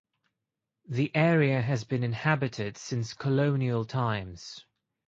The area has been inhabited since colonial times.